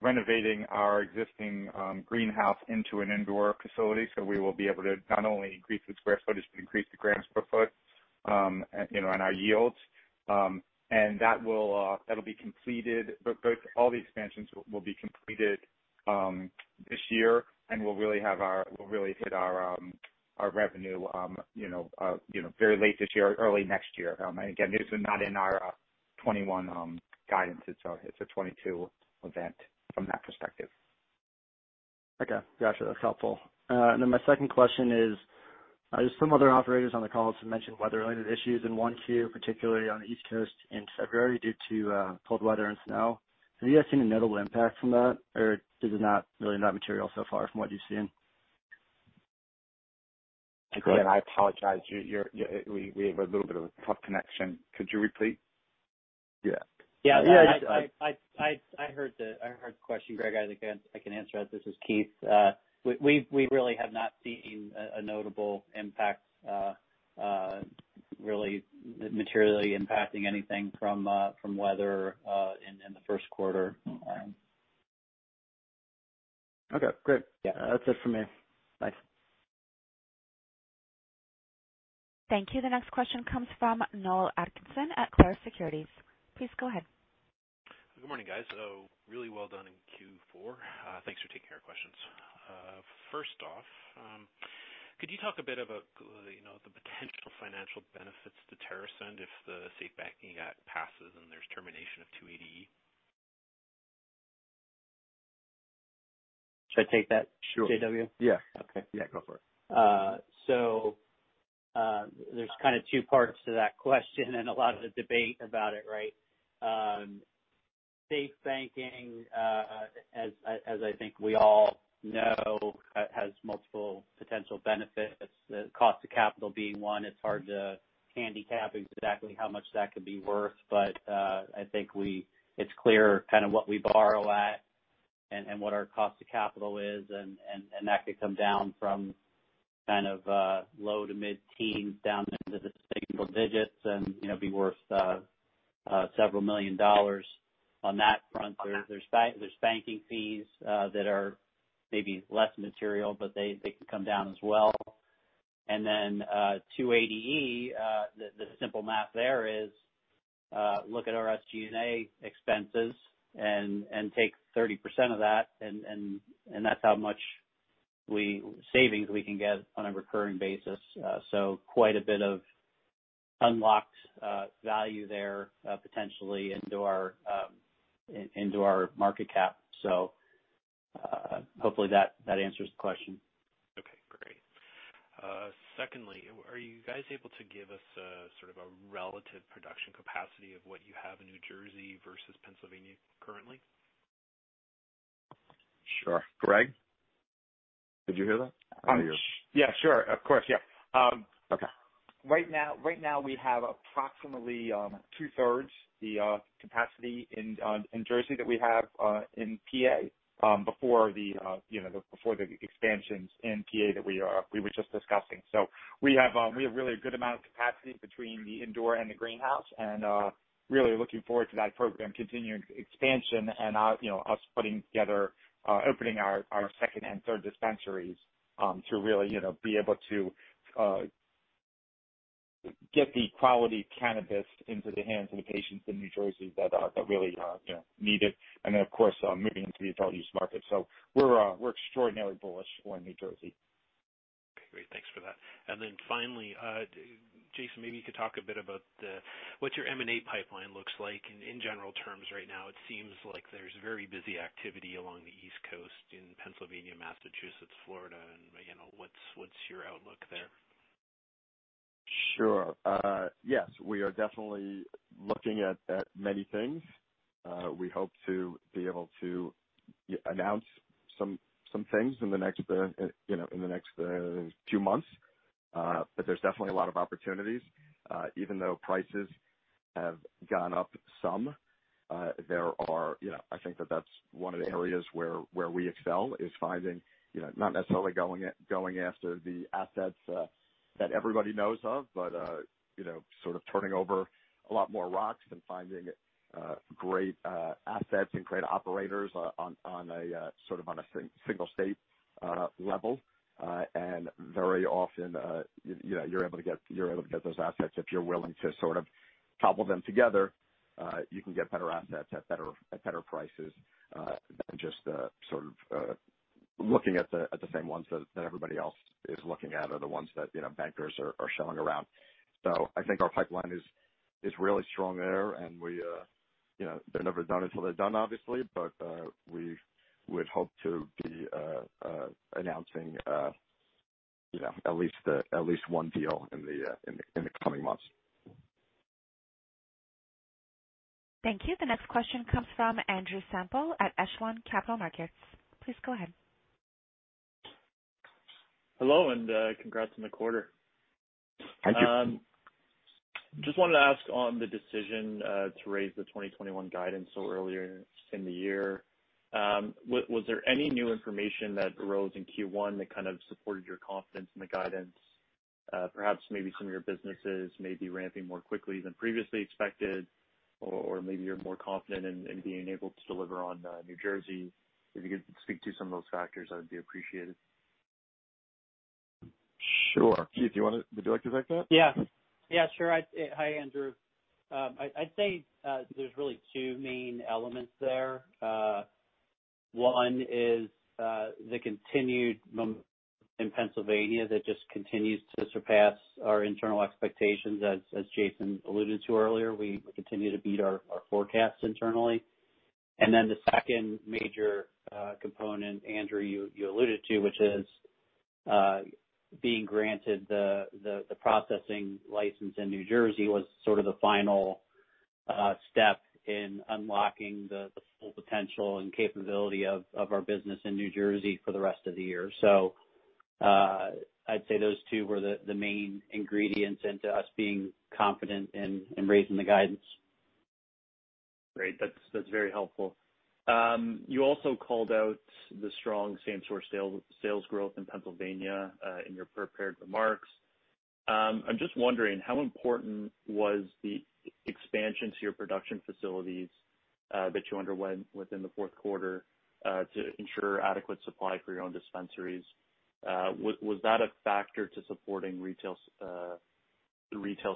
renovating our existing greenhouse into an indoor facility. We will be able to not only increase the square footage, but increase the grams per foot, and our yields. All the expansions will be completed this year, and we'll really hit our revenue very late this year or early next year. Again, this is not in our 2021 guidance, it's a 2022 event from that perspective. Okay, got you. That's helpful. My second question is, some other operators on the call have mentioned weather-related issues in 1Q, particularly on the East Coast in February due to cold weather and snow. Have you guys seen a notable impact from that, or is it not really that material so far from what you've seen? I apologize. We have a little bit of a tough connection. Could you repeat? Yeah. Yeah. I heard the question, Greg. I can answer that. This is Keith. We really have not seen a notable impact, really materially impacting anything from weather in the first quarter. Okay, great. Yeah. That's it for me. Thanks. Thank you. The next question comes from Noel Atkinson at Clarus Securities. Please go ahead. Good morning, guys. Really well done in Q4. Thanks for taking our questions. First off, could you talk a bit about the potential financial benefits to TerrAscend if the SAFE Banking Act passes and there's termination of 280E? Should I take that? Sure. JW? Yeah. Okay. Yeah, go for it. There's two parts to that question and a lot of debate about it, right? SAFE Banking, as I think we all know, has multiple potential benefits, cost of capital being one. It's hard to handicap exactly how much that could be worth. I think it's clear what we borrow at and what our cost of capital is and, that could come down from low to mid-teens down into the single digits and be worth several million dollars on that front. There's banking fees that are maybe less material, but they can come down as well. 280E, the simple math there is, look at our SG&A expenses and take 30% of that, and that's how much savings we can get on a recurring basis. Quite a bit of unlocked value there, potentially into our market cap. Hopefully that answers the question. Okay, great. Are you guys able to give us a sort of a relative production capacity of what you have in New Jersey versus Pennsylvania currently? Sure. Greg, did you hear that? Yeah, sure. Of course, yeah. Okay. Right now we have approximately 2/3 the capacity in Jersey that we have in PA, before the expansions in PA that we were just discussing. We have a really good amount of capacity between the indoor and the greenhouse, and really looking forward to that program continuing expansion and us opening our second and third dispensaries to really be able to get the quality cannabis into the hands of the patients in New Jersey that really need it. Then, of course, moving into the adult use market. We're extraordinarily bullish on New Jersey. Great. Thanks for that. Finally, Jason, maybe you could talk a bit about what your M&A pipeline looks like in general terms right now. It seems like there's very busy activity along the East Coast in Pennsylvania, Massachusetts, Florida, and what's your outlook there? Sure. Yes, we are definitely looking at many things. We hope to be able to announce some things in the next two months. There's definitely a lot of opportunities. Even though prices have gone up some, I think that that's one of the areas where we excel, is finding, not necessarily going after the assets that everybody knows of, but sort of turning over a lot more rocks and finding great assets and great operators on a single state level. Very often, you're able to get those assets. If you're willing to cobble them together, you can get better assets at better prices than just looking at the same ones that everybody else is looking at, or the ones that bankers are showing around. I think our pipeline is really strong there, and they're never done until they're done, obviously. We would hope to be announcing at least one deal in the coming months. Thank you. The next question comes from Andrew Semple at Echelon Capital Markets. Please go ahead. Hello, congrats on the quarter. Thank you. Just wanted to ask on the decision to raise the 2021 guidance so earlier in the year. Was there any new information that arose in Q1 that kind of supported your confidence in the guidance? Perhaps maybe some of your businesses may be ramping more quickly than previously expected, or maybe you're more confident in being able to deliver on New Jersey. If you could speak to some of those factors, that would be appreciated. Sure. Keith, would you like to take that? Hi, Andrew. I'd say there's really two main elements there. One is the continued momentum in Pennsylvania that just continues to surpass our internal expectations. As Jason alluded to earlier, we continue to beat our forecasts internally. The second major component, Andrew, you alluded to, which is being granted the processing license in New Jersey was sort of the final step in unlocking the full potential and capability of our business in New Jersey for the rest of the year. I'd say those two were the main ingredients into us being confident in raising the guidance. Great. That's very helpful. You also called out the strong same-store sales growth in Pennsylvania, in your prepared remarks. I'm just wondering, how important was the expansion to your production facilities that you underwent within the fourth quarter, to ensure adequate supply for your own dispensaries? Was that a factor to supporting retail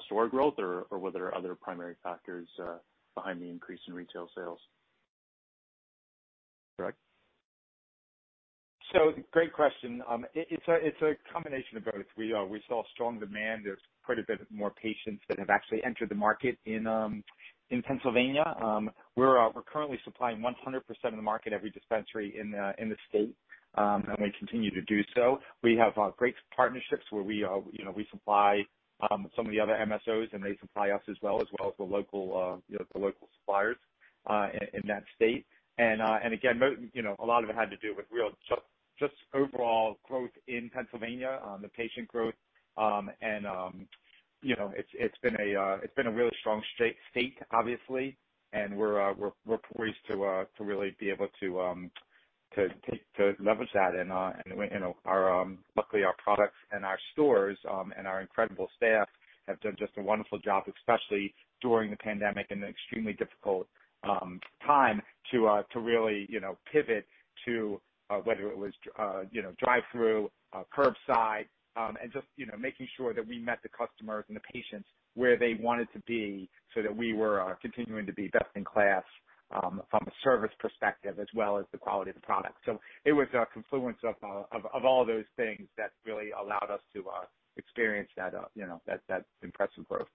store growth, or were there other primary factors behind the increase in retail sales? Greg? Great question. It's a combination of both. We saw strong demand. There's quite a bit more patients that have actually entered the market in Pennsylvania. We're currently supplying 100% of the market, every dispensary in the state, and we continue to do so. We have great partnerships where we supply some of the other MSOs, and they supply us as well, as well as the local suppliers in that state. A lot of it had to do with just overall growth in Pennsylvania, the patient growth. It's been a really strong state, obviously, and we're poised to really be able to leverage that. Luckily, our products in our stores, and our incredible staff have done just a wonderful job, especially during the pandemic, in an extremely difficult time to really pivot to, whether it was drive-through, curbside, and just making sure that we met the customers and the patients where they wanted to be so that we were continuing to be best in class from a service perspective as well as the quality of the product. It was a confluence of all those things that really allowed us to experience that impressive growth.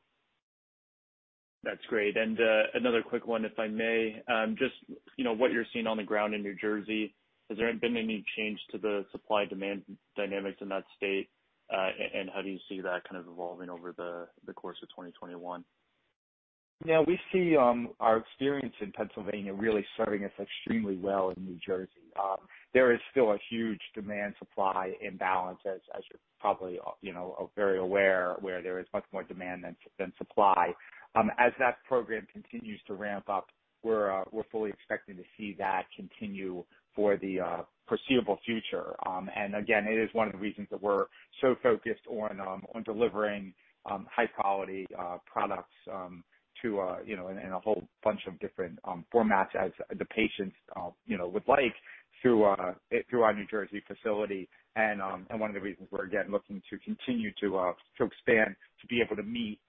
That's great. Another quick one, if I may. Just what you're seeing on the ground in New Jersey, has there been any change to the supply-demand dynamics in that state? How do you see that kind of evolving over the course of 2021? Yeah, we see our experience in Pennsylvania really serving us extremely well in New Jersey. There is still a huge demand-supply imbalance as you're probably very aware, where there is much more demand than supply. As that program continues to ramp up, we're fully expecting to see that continue for the foreseeable future. Again, it is one of the reasons that we're so focused on delivering high-quality products in a whole bunch of different formats as the patients would like, through our New Jersey facility. One of the reasons we're, again, looking to continue to expand, to be able to meet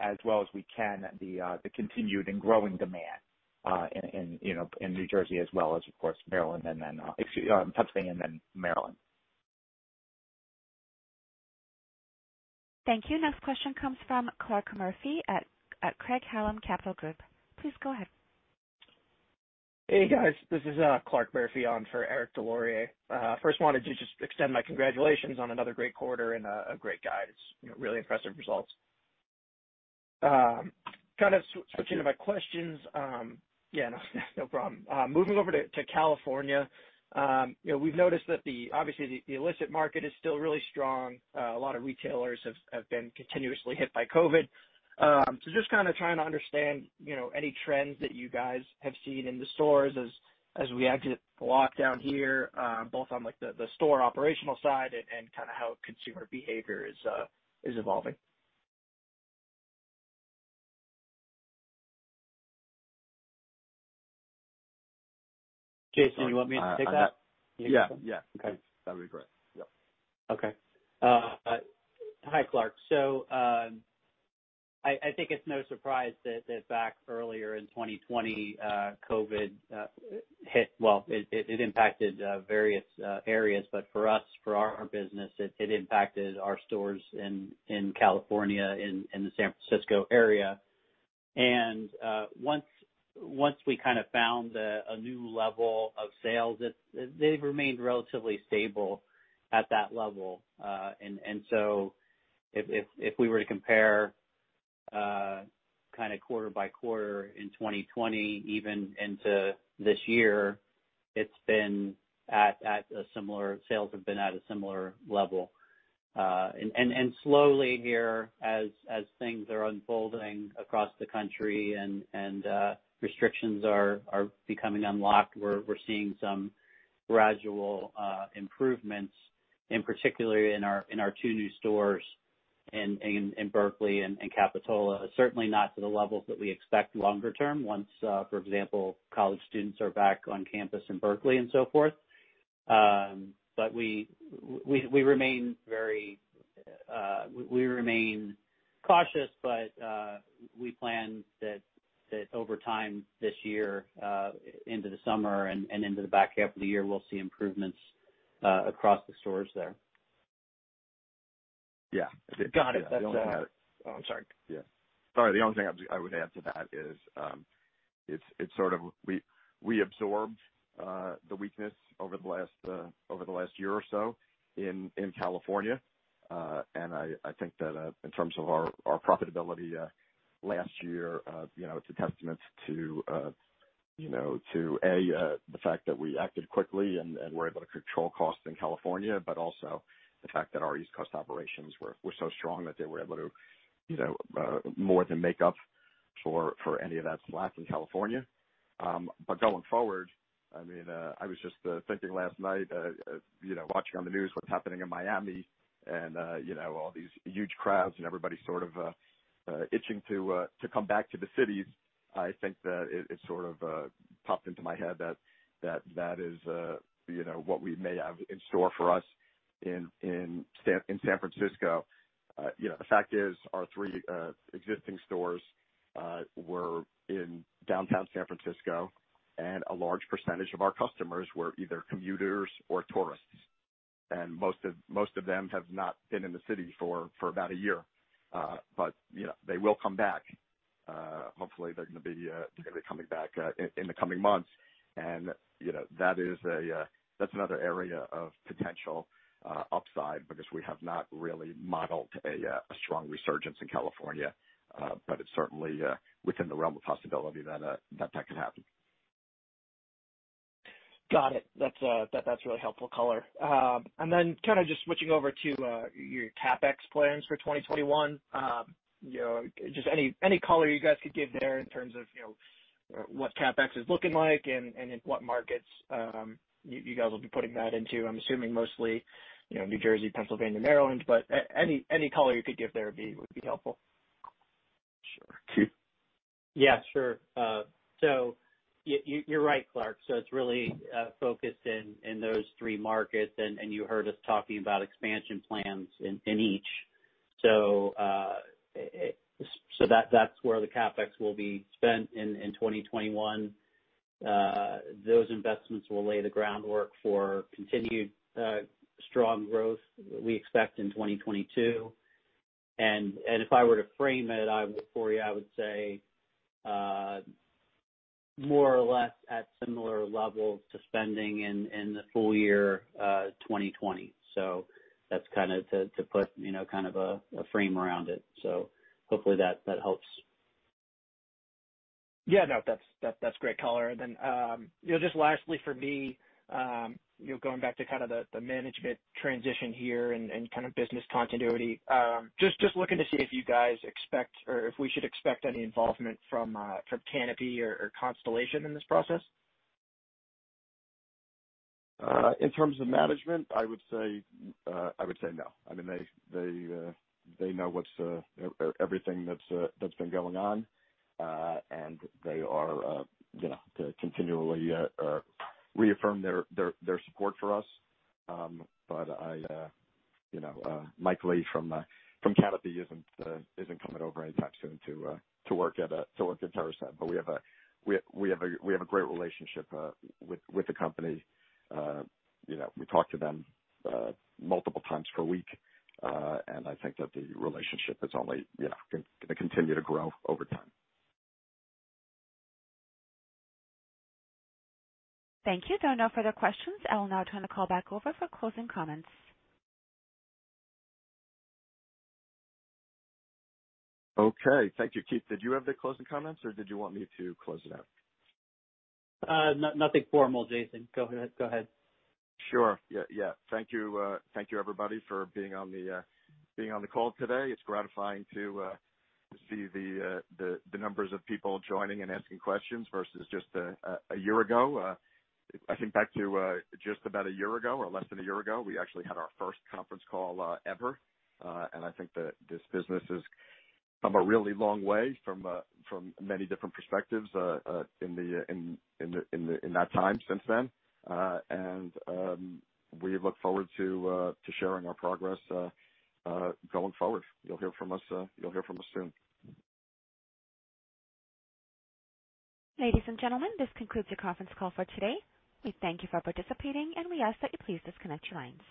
as well as we can, the continued and growing demand in New Jersey as well as, of course, Pennsylvania and then Maryland. Thank you. Next question comes from Clarke Murphy at Craig-Hallum Capital Group. Please go ahead. Hey, guys. This is Clarke Murphy on for Eric Des Lauriers. First wanted to just extend my congratulations on another great quarter and a great guide. It's really impressive results. Kind of switching to my questions. Yeah, no problem. Moving over to California. We've noticed that obviously, the illicit market is still really strong. A lot of retailers have been continuously hit by COVID-19. Just kind of trying to understand any trends that you guys have seen in the stores as we exit the lockdown here, both on the store operational side and kind of how consumer behavior is evolving. Jason, you want me to take that? Yeah. Okay. That'd be great. Yep. Okay. Hi, Clarke. I think it's no surprise that back earlier in 2020, COVID impacted various areas. For us, for our business, it impacted our stores in California, in the San Francisco area. Once we kind of found a new level of sales, they've remained relatively stable at that level. If we were to compare kind of quarter by quarter in 2020, even into this year, sales have been at a similar level. Slowly here, as things are unfolding across the country and restrictions are becoming unlocked, we're seeing some gradual improvements, in particular in our two new stores in Berkeley and Capitola. Certainly not to the levels that we expect longer term once, for example, college students are back on campus in Berkeley and so forth. We remain cautious, but we plan that over time this year, into the summer and into the back half of the year, we'll see improvements across the stores there. Yeah. Got it. Oh, I'm sorry. Yeah. Sorry. The only thing I would add to that is, we absorbed the weakness over the last year or so in California. I think that in terms of our profitability last year, it's a testament to, A, the fact that we acted quickly and were able to control costs in California, but also the fact that our East Coast operations were so strong that they were able to more than make up for any of that slack in California. Going forward, I was just thinking last night, watching on the news what's happening in Miami and all these huge crowds and everybody's sort of itching to come back to the cities. I think that it sort of popped into my head that is what we may have in store for us in San Francisco. The fact is, our three existing stores were in downtown San Francisco, and a large percentage of our customers were either commuters or tourists. Most of them have not been in the city for about a year. They will come back. Hopefully, they're going to be coming back in the coming months. That's another area of potential upside, because we have not really modeled a strong resurgence in California, but it's certainly within the realm of possibility that could happen. Got it. That's really helpful color. kind of just switching over to your CapEx plans for 2021. Just any color you guys could give there in terms of what CapEx is looking like and in what markets you guys will be putting that into. I'm assuming mostly New Jersey, Pennsylvania, Maryland, but any color you could give there would be helpful. Sure. Keith? Yeah, sure. You're right, Clarke. It's really focused in those three markets, and you heard us talking about expansion plans in each. That's where the CapEx will be spent in 2021. Those investments will lay the groundwork for continued strong growth we expect in 2022. If I were to frame it for you, I would say more or less at similar levels to spending in the full year 2020. That's to put a frame around it. Hopefully that helps. Yeah, no, that's great color. Just lastly for me, going back to the management transition here and business continuity, just looking to see if you guys expect, or if we should expect any involvement from Canopy or Constellation in this process? In terms of management, I would say no. They know everything that's been going on, and they continually reaffirm their support for us. Mike Lee from Canopy Growth isn't coming over anytime soon to work at TerrAscend. We have a great relationship with the company. We talk to them multiple times per week, and I think that the relationship is only going to continue to grow over time. Thank you. There are no further questions. I will now turn the call back over for closing comments. Okay. Thank you. Keith, did you have the closing comments, or did you want me to close it out? Nothing formal, Jason. Go ahead. Sure. Yeah. Thank you, everybody, for being on the call today. It's gratifying to see the numbers of people joining and asking questions versus just a year ago. I think back to just about a year ago, or less than a year ago, we actually had our first conference call ever, and I think that this business has come a really long way from many different perspectives in that time since then. We look forward to sharing our progress going forward. You'll hear from us soon. Ladies and gentlemen, this concludes your conference call for today. We thank you for participating, and we ask that you please disconnect your lines.